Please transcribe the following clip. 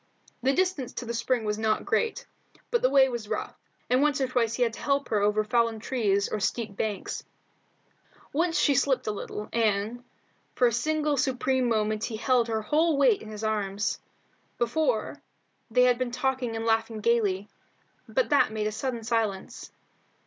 The distance to the spring was not great, but the way was rough, and once or twice he had to help her over fallen trees and steep banks. Once she slipped a little, and for, a single supreme moment he held her whole weight in his arms. Before, they had been talking and laughing gaily, but that made a sudden silence.